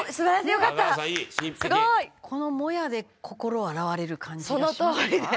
「このもやで心洗われる感じがします」